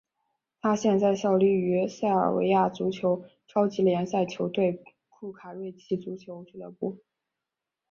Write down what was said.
他现在效力于塞尔维亚足球超级联赛球队库卡瑞奇足球俱乐部。